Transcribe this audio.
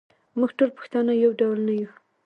موږ ټول پښتانه یو ډول نه یوو.